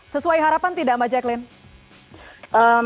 sesuai harapan tidak mbak jacqueen